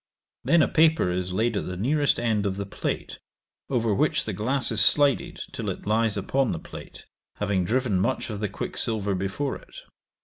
Then a paper is laid at the nearest end of the plate, over which the glass is slided till it lies upon the plate, having driven much of the quicksilver before it.